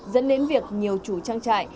dẫn đến việc nhiều chủ trang trại